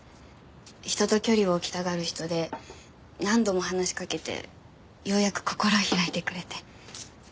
人と距離を置きたがる人で何度も話しかけてようやく心を開いてくれて。